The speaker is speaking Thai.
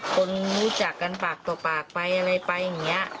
คนรู้จักกันปากต่อปากไปอะไรไปอย่างนี้